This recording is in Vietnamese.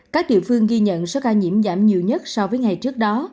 các địa phương ghi nhận số ca nhiễm giảm nhiều nhất so với ngày trước đó